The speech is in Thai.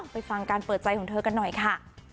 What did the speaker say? ไปฟังการเปิดใจของเธอกันหน่อยค่ะ